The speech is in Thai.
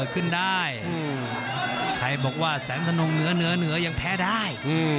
ใครบอกว่าแสนทะนมเหนือยังแพ้ได้